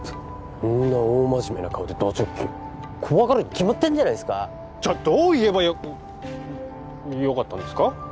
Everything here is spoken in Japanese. そんな大真面目な顔でド直球怖がるに決まってんじゃないすかじゃあどう言えばよかよかったんですか？